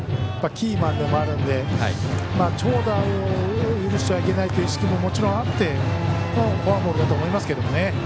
キーマンでもあるので長打を許しちゃいけないという意識も、もちろんあってのフォアボールだと思いますけどね。